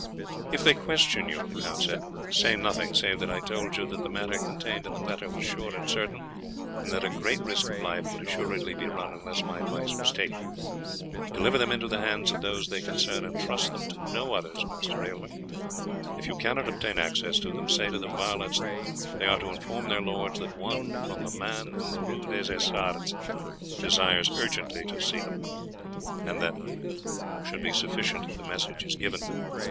"If they question you," he said, "say nothing, save that I told you that the matter contained in the letter was sure and certain, and that a great risk of life would assuredly be run unless my advice was taken. Deliver them into the hands of those they concern, and trust them to no others, Master Aylmer. If you cannot obtain access to them, say to the varlets that they are to inform their lords that one from the man in the Rue des Essarts desires urgently to see them, and that should be sufficient if the message is given.